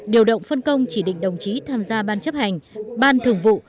điều động phân công chỉ định đồng chí tham gia ban chấp hành ban thường vụ